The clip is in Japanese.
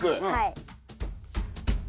はい。